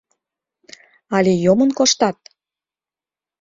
Але йомын коштат?